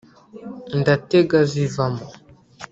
ndatega zivamo”